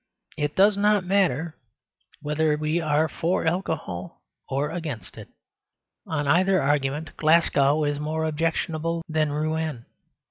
It does not matter whether we are for alcohol or against it. On either argument Glasgow is more objectionable than Rouen.